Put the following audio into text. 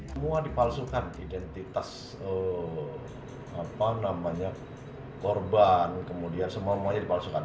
semua dipalsukan identitas korban kemudian semua semuanya dipalsukan